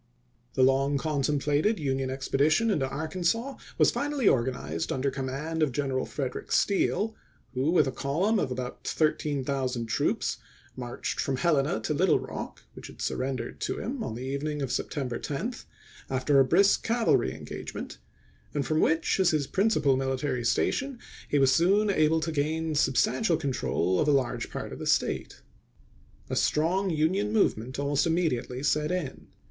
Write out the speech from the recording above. The long contemplated Union expedition into Arkansas was finally organized under command of General Frederick Steele, who with a column of about 13,000 troops marched from Helena to Little Rock, which was surrendered to him on the evening of September 10, after a brisk cavalry engagement, and from which, as his principal military station, he was soon able to gain sub stantial control of a large part of the State. A strong Union movement almost immediately set in.